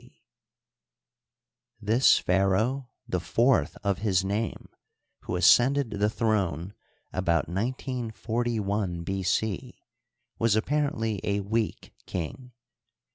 — This pharaoh, the fourth of his name, who ascended the throne about 1941 B. C, was apparently a weak king.